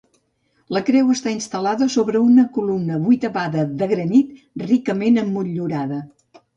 La creu està instal·lada sobre una columna vuitavada de granit ricament emmotllurada.